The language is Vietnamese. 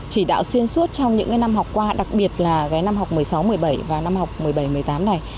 chỉ đạo xuyên suốt trong những năm học qua đặc biệt là năm học một mươi sáu một mươi bảy và năm học một mươi bảy một mươi tám này